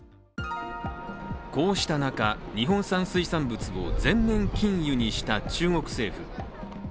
こうした中、日本産水産物全面禁輸にした中国政府。